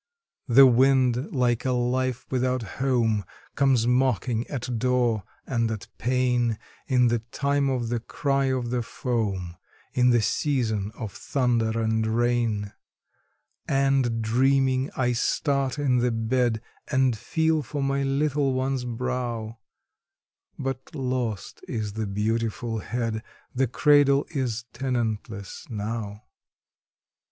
The wind, like a life without home, comes mocking at door and at pane In the time of the cry of the foam in the season of thunder and rain, And, dreaming, I start in the bed, and feel for my little one's brow But lost is the beautiful head; the cradle is tenantless now!